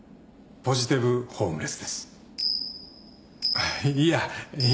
ポジティブホームレス。